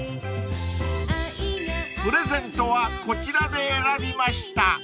［プレゼントはこちらで選びました］